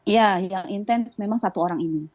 ya yang intens memang satu orang ini